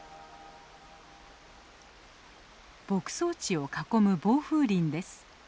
牧草地を囲む防風林です。